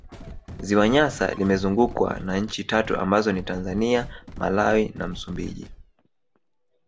Ziwa Nyasa limezungukwa na nchi tatu ambazo ni Tanzania Malawi na Msumbiji